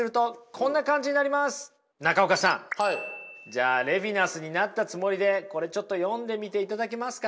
じゃあレヴィナスになったつもりでこれちょっと読んでみていただけますか。